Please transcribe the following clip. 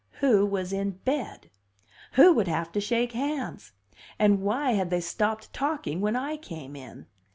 Who was in bed who would have to shake hands? And why had they stopped talking when I came in?